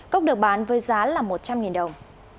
cốc được bán với giá là một trăm linh đồng